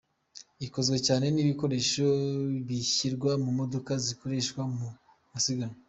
Ikozwe cyane n’ibikoresho bishyirwa ku modoka zikoreshwa mu masiganwa.